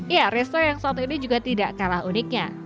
ya resto yang satu ini juga tidak kalah uniknya